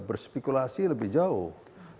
berspekulasi lebih jauh